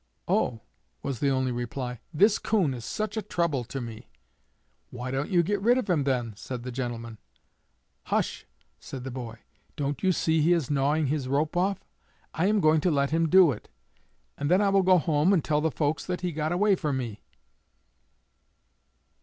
'Oh,' was the only reply, 'this coon is such a trouble to me!' 'Why don't you get rid of him, then?' said the gentleman. 'Hush!' said the boy, 'don't you see he is gnawing his rope off? I am going to let him do it, and then I will go home and tell the folks that he got away from me.'"